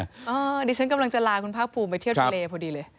อันนี้ฉันกำลังจะลาคุณภาคภูมิไปเที่ยวทะเลพอดีเลย